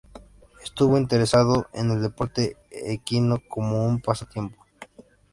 Estuvo interesado en el deporte equino como un pasatiempo.